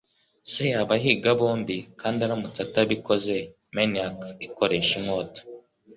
Se yabahiga bombi, kandi aramutse atabikoze, maniac ikoresha inkota.